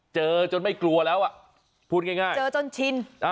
เจอจนไม่กลัวแล้วพูดง่ายเจอจนชิน